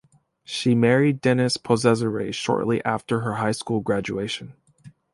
She married Dennis Pozzessere shortly after her high school graduation.